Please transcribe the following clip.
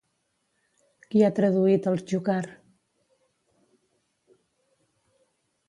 Qui ha traduït els Yukar?